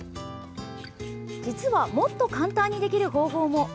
実はもっと簡単にできる方法も。